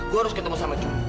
gue harus ketemu sama cu